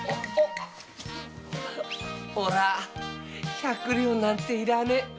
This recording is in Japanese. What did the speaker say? おら百両なんていらねえ。